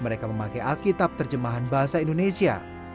mereka memakai alkitab terjemahan bahasa indonesia